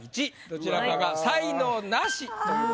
どちらかが才能ナシという事です。